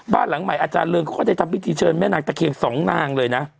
บ้านหลังใหม่อาจารย์เริงเขาก็ได้ทำพิธีเชิญแม่นางตะเคียนสองนางเลยนะ